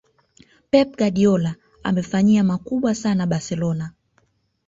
pep guardiola amefanyia makubwa sana barcelona